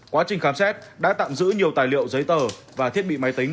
quá trình khám xét đã tạm giữ nhiều tài liệu giấy tờ và thiết bị máy tính